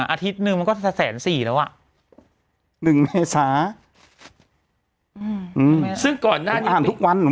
อาทิตย์หนึ่งมันก็จะแสนสี่แล้วอ่ะหนึ่งเมษาอืมซึ่งก่อนหน้าอ่านทุกวันหนู